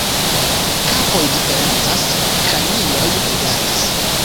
Kapoj diferencas, kranioj egalas.